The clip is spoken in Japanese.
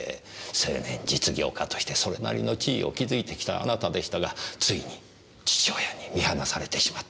青年実業家としてそれなりの地位を築いてきたあなたでしたがついに父親に見放されてしまった。